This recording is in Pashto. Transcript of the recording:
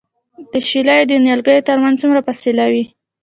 د شالیو د نیالګیو ترمنځ څومره فاصله وي؟